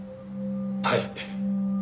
はい。